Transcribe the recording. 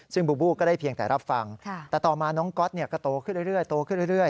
ซึ่งบูบูก็ได้เพียงแต่รับฟังแต่ต่อมาน้องก๊อตก็โตขึ้นเรื่อยโตขึ้นเรื่อย